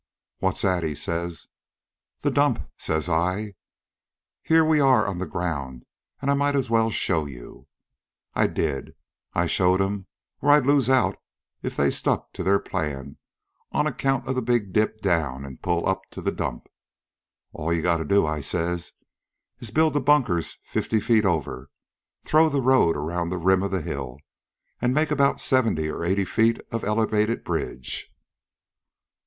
"'What's that,' he says. "'The dump,' says I. 'Here we are on the ground, an' I might as well show you.' "An' I did. I showed 'm where I'd lose out if they stuck to their plan, on account of the dip down an' pull up to the dump. 'All you gotta do,' I says, 'is to build the bunkers fifty feet over, throw the road around the rim of the hill, an' make about seventy or eighty feet of elevated bridge.'